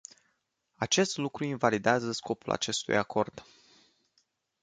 Acest lucru invalidează scopul acestui acord.